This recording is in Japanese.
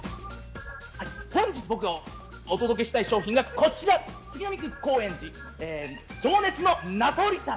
本日僕がお届けしたい商品は杉並区高円寺の情熱のナポリタン。